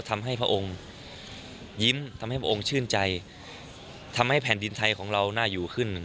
พระองค์ยิ้มทำให้พระองค์ชื่นใจทำให้แผ่นดินไทยของเราน่าอยู่ขึ้น